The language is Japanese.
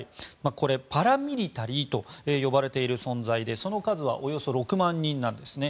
これパラミリタリーと呼ばれている存在でその数はおよそ６万人なんですね。